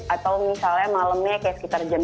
atau misalnya malamnya kayak sekitar jam empat